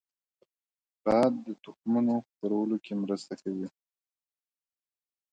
باد د تخمونو خپرولو کې مرسته کوي